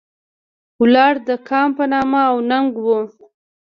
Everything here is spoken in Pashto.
ولاړ د کام په نام او ننګ و.